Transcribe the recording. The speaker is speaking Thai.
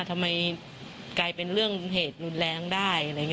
ทำไมกลายเป็นเรื่องเหตุรุนแรงได้อะไรอย่างนี้